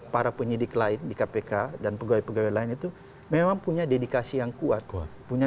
para penyidik lain di kpk dan pegawai pegawai lain itu memang punya dedikasi yang kuat punya